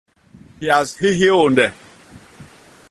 Hias hi hiônde .